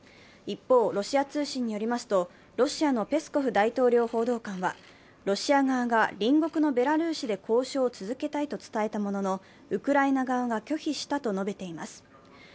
一方、ロシア通信によりますと、ロシアのペスコフ大統領報道官はロシア側が隣国のベラルーシで交渉を続けたいと伝えたものの、ウクライナ側が拒否したと述べています。